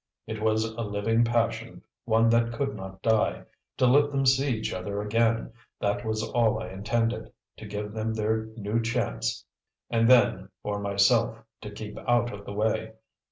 It was a living passion, one that could not die. To let them see each other again; that was all I intended. To give them their new chance and then, for myself, to keep out of the way.